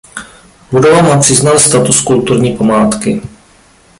Budova má přiznán status kulturní památky.